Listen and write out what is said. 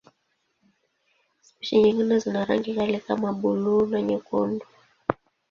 Spishi nyingine zina rangi kali kama buluu na nyekundu.